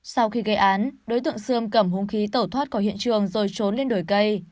sau khi gây án đối tượng sươm cầm hung khí tẩu thoát khỏi hiện trường rồi trốn lên đồi cây